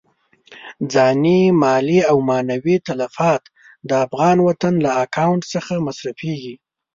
ځاني، مالي او معنوي تلفات د افغان وطن له اکاونټ څخه مصرفېږي.